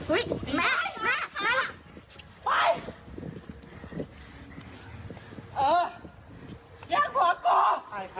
เที่ยงพ่อกูเดาพ่อเณ่าแม่กูไม่พอ